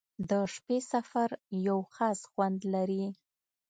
• د شپې سفر یو خاص خوند لري.